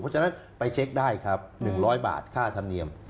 เพราะฉะนั้นไปเช็คได้ครับ๑๐๐บาทค่าธรรมเนียม